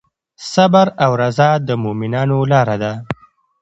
صبر او رضا د مؤمنانو لاره ده.